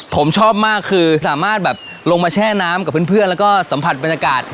ผมชอบมากคือสามารถแบบลงมาแช่น้ำกับเพื่อนแล้วก็สัมผัสบรรยากาศ